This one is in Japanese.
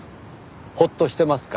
ホッとしてますか？